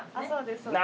そうです。